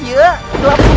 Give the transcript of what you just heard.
iya gelap kita